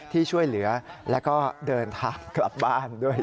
ที่ช่วยเหลือแล้วก็เดินทางกลับบ้านด้วย